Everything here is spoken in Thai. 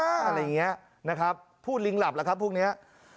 อะไรอย่างนี้นะครับพูดลิงหลับแล้วครับพวกเนี้ย